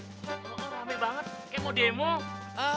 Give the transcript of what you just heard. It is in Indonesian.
kok rame banget kayak mau demo